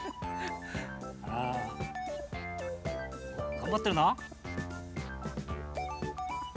頑張ってるな！